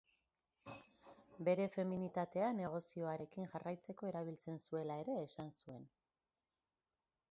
Bere feminitatea negozioarekin jarraitzeko erabiltzen zuela ere esan zuen.